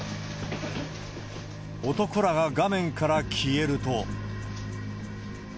男らが画面から消えると。